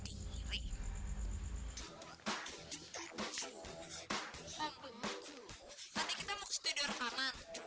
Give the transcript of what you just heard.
dan biar rumah kotrakan itu